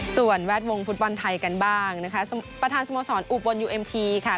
ส่วนแวดวงฟุตบอลไทยกันบ้างนะคะประธานสโมสรอุบลยูเอ็มทีค่ะ